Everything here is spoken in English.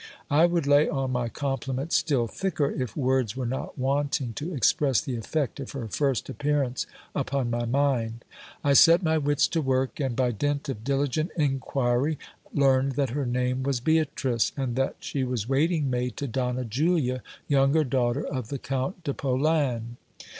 I would lay on my compliment still thicker, if words were not wanting to express the effect of her first appearance upon my mind. I set my wits to work, and by dint of diligent inquiry, learned that her name was Beatrice, and that she p waiting maid to Donna Julia, younger daughter of the Count de Polan.